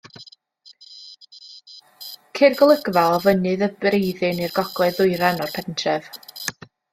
Ceir golygfa o fynydd y Breiddin i'r gogledd-ddwyrain o'r pentref.